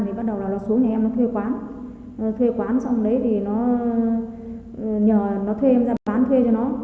thì bắt đầu là xuống nhà em nó thuê quán thuê quán xong đấy thì nó nhờ nó thuê em ra bán thuê cho nó